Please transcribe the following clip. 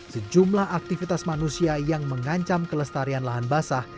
sejumlah aktivitas manusia yang mengancam kelestarian lahan basah